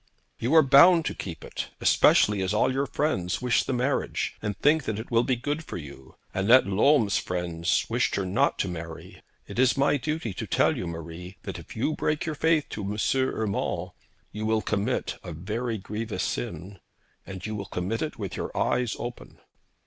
'You are bound to keep it, especially as all your friends wish the marriage, and think that it will be good for you. Annette Lolme's friends wished her not to marry. It is my duty to tell you, Marie, that if you break your faith to M. Urmand, you will commit a very grievous sin, and you will commit it with your eyes open.'